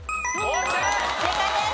正解です。